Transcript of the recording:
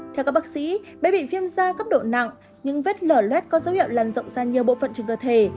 theo các bác sĩ bé bị viêm ra gấp độ nặng những vết lở luet có dấu hiệu làn rộng ra nhiều bộ phận trên cơ thể